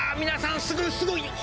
皆さんすごいすごい！